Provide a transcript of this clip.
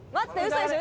嘘でしょ？